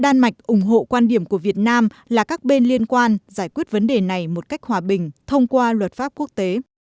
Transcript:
đan mạch ủng hộ quan điểm của việt nam là các bên liên quan giải quyết vấn đề này một cách hòa bình thông qua luật pháp quốc tế